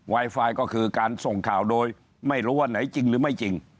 ไฟล์ก็คือการส่งข่าวโดยไม่รู้ว่าไหนจริงหรือไม่จริง